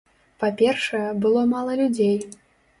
Па-першае, было мала людзей.